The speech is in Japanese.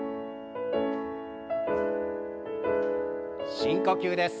深呼吸です。